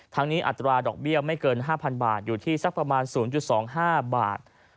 ทั้งนี้อัตราดอกเบี้ยไม่เกิน๕๐๐บาทอยู่ที่สักประมาณ๐๒๕บาท